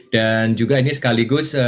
dan juga ini sekaligus